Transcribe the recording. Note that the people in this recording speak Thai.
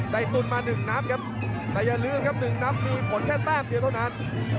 ตุนมาหนึ่งนัดครับแต่อย่าลืมครับ๑นับคือผลแค่แต้มเดียวเท่านั้น